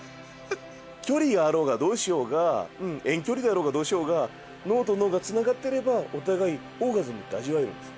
距離があろうがどうしようが遠距離だろうがどうしようが脳と脳がつながってればお互いオーガズムって味わえるんです。